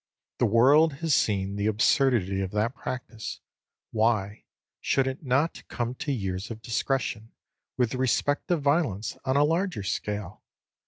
The world has seen the absurdity of that practice: why should it not come to years of discretion, with respect to violence on a larger scale?